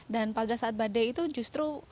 dan pada saat badai itu justru